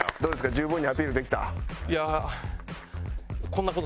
十分にアピールできた？いや。